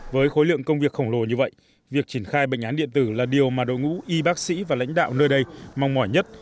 với khối lượng công việc khổng lồ như vậy việc triển khai bệnh án điện tử là điều mà đội ngũ y bác sĩ và lãnh đạo nơi đây mong mỏi nhất